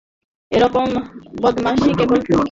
এরকম বদমাশি কেবল তুমিই করতে পারো।